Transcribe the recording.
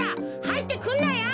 はいってくんなよ！